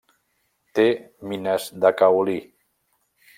Té mines de caolí.